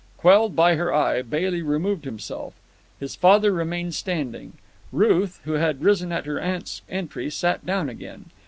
Quelled by her eye, Bailey removed himself. His father remained standing. Ruth, who had risen at her aunt's entry, sat down again.